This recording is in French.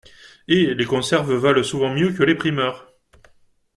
Hé ! les conserves valent souvent mieux que les primeurs !